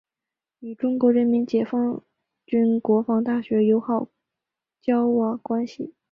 与中国人民解放军国防大学友好交往关系。